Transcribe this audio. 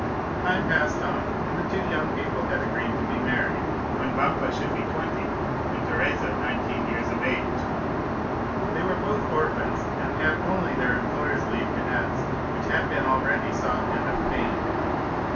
Time passed on, and the two young people had agreed to be married when Vampa should be twenty and Teresa nineteen years of age. They were both orphans, and had only their employers' leave to ask, which had been already sought and obtained.